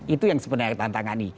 itu yang sebenarnya tantangan ini